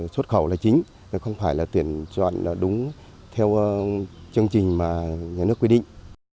xuất khẩu là chính không phải là tuyển chọn đúng theo chương trình mà nhà nước quy định